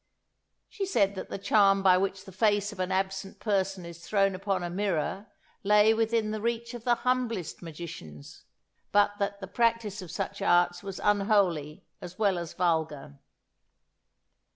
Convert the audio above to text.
She said that the charm by which the face of an absent person is thrown upon a mirror lay within the reach of the humblest magicians, but that the practice of such arts was unholy as well as vulgar.